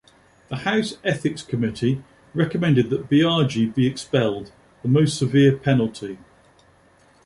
The House Ethics Committee recommended that Biaggi be expelled - the most severe penalty.